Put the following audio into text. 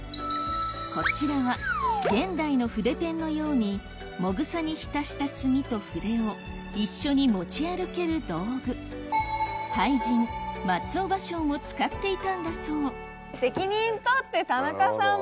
こちらは現代の筆ペンのようにもぐさに浸した墨と筆を一緒に持ち歩ける道具俳人何で俺がやんなきゃいけない。